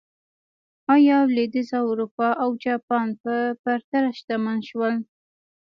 ایا لوېدیځه اروپا او جاپان په پرتله شتمن شول.